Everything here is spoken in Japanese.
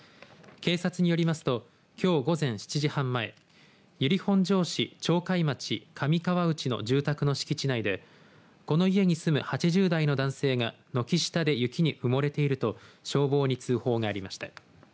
警察によりますときょう午前７時半前由利本荘市鳥海町上川内の住宅の敷地内でこの家に住む８０代の男性が軒下で雪に埋もれていると消防に通報がありました。